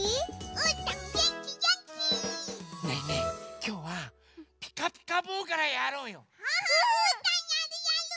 うん！うーたんやるやる！